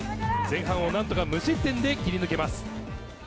前半を何とか無失点で切り抜けます。